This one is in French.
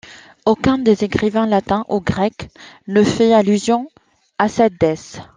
Aucun des écrivains latins ou grecs ne fait allusion à cette déesse.